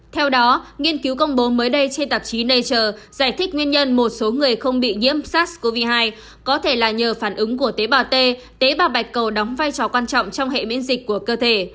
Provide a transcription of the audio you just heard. theo đó nghiên cứu công bố mới đây trên tạp chí nature giải thích nguyên nhân một số người không bị nhiễm sars cov hai có thể là nhờ phản ứng của tế bào t tế bà bạch cầu đóng vai trò quan trọng trong hệ miễn dịch của cơ thể